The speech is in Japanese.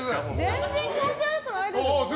全然気持ち悪くないですよ。